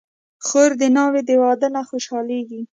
خور د ناوې د واده نه خوشحالېږي.